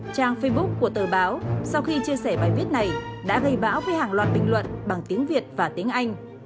trang facebook của tờ báo sau khi chia sẻ bài viết này đã gây bão với hàng loạt bình luận bằng tiếng việt và tiếng anh